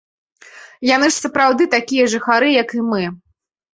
Яны ж сапраўды такія жыхары, як і мы.